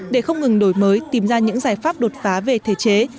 để không ngừng đổi mới tìm ra những giải pháp đột phá về thể chế